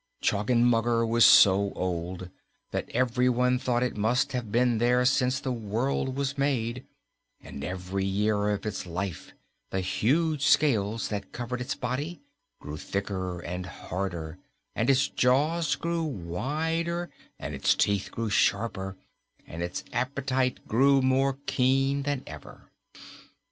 Choggenmugger was so old that everyone thought it must have been there since the world was made, and each year of its life the huge scales that covered its body grew thicker and harder and its jaws grew wider and its teeth grew sharper and its appetite grew more keen than ever.